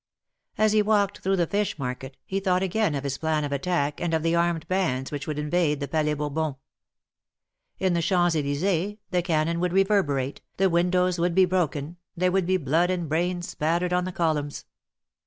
As he walked through the fish market, he thought again of his plan of attack and of the armed bands which would invade the Palais Bourbon. In the Champs Elys^es the cannon would reverberate, the windows would be broken, there would be blood and brains spattered on the columns.